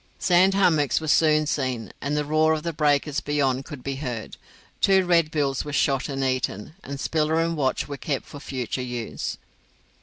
Sand hummocks were soon seen, and the roar of the breakers beyond could be heard. Two redbills were shot and eaten, and Spiller and Watch were kept for future use.